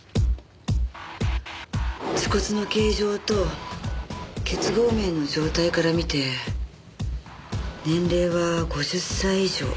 恥骨の形状と結合面の状態から見て年齢は５０歳以上。